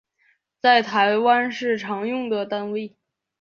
在台湾是常用的单位